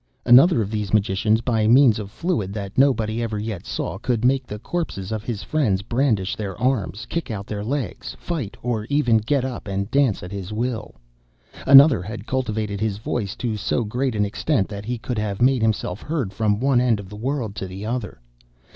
"'Another of these magicians, by means of a fluid that nobody ever yet saw, could make the corpses of his friends brandish their arms, kick out their legs, fight, or even get up and dance at his will. (*28) Another had cultivated his voice to so great an extent that he could have made himself heard from one end of the world to the other.